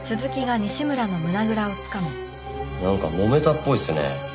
なんかもめたっぽいですね。